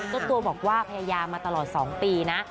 เจ้าตัวบอกว่าพยายามมาตลอด๒ปีนะ